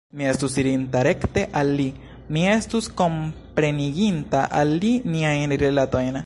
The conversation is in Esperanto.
Mi estus irinta rekte al li; mi estus kompreniginta al li niajn rilatojn.